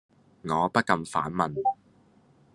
我不禁反問